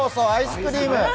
アイスクリーム！